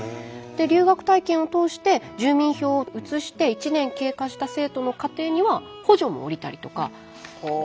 留学体験を通して住民票を移して１年経過した生徒の家庭には補助も下りたりとか。